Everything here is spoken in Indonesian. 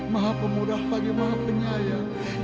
maha pemudah bagi maha penyayang